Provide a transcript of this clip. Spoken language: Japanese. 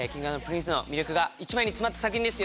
Ｋｉｎｇ＆Ｐｒｉｎｃｅの魅力が一枚に詰まった作品です